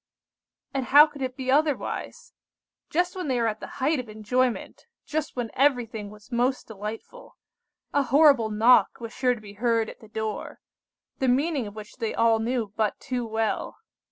"And how could it be otherwise? Just when they were at the height of enjoyment, just when everything was most delightful, a horrible knock was sure to be heard at the door, the meaning of which they all knew but too well.